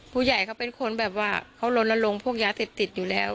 ผู้ใหญ่เขาเป็นคนแบบว่าเขาลนลงพวกยาเสพติดอยู่แล้ว